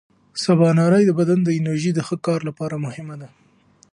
سباناري د بدن د انرژۍ د ښه کار لپاره مهمه ده.